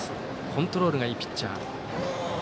コントロールがいいピッチャー。